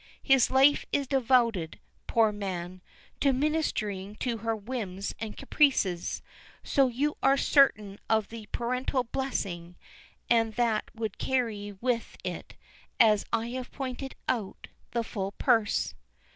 His life is devoted, poor man, to ministering to her whims and caprices, so you are certain of the parental blessing, and that would carry with it, as I have pointed out, the full purse."